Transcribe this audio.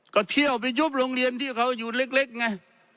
ก็เที่ยวไปยุบโรงเรียนที่เขาอยู่เล็กไง